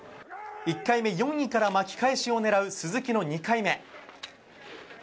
１回目、４位から巻き返しを狙う鈴木の２回目。